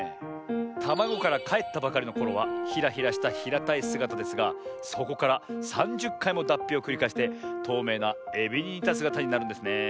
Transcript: たまごからかえったばかりのころはヒラヒラしたひらたいすがたですがそこから３０かいもだっぴをくりかえしてとうめいなエビににたすがたになるんですねえ。